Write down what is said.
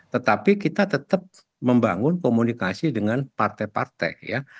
tetapi kita tetap membangun komunikasi dengan partai partai ya